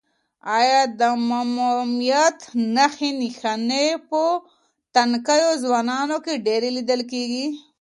آیا د مسمومیت نښې نښانې په تنکیو ځوانانو کې ډېرې لیدل کیږي؟